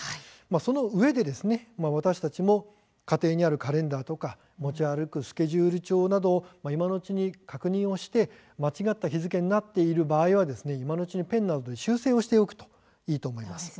そのうえで、私たちも家庭にあるカレンダーとか持ち歩くスケジュール帳などを今のうちに確認をして間違った日付になっている場合は今のうちにペンなどで修正をしておくといいと思います。